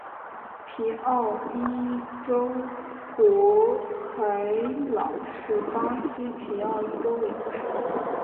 皮奥伊州博凯朗是巴西皮奥伊州的一个市镇。